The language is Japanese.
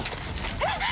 えっ！